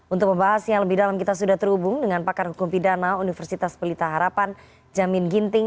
untuk membahasnya lebih dalam kita sudah terhubung dengan pakar hukum pidana universitas pelita harapan jamin ginting